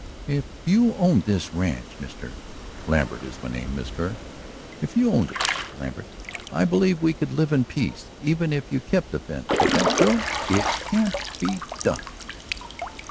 "If you owned this ranch, Mr. " "Lambert is my name, Miss Kerr." "If you owned it, Mr. Lambert, I believe we could live in peace, even if you kept the fence. But with that girl it can't be done."